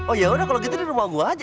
oh ya udah kalo gitu di rumah gua aja